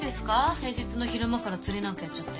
平日の昼間から釣りなんかやっちゃって。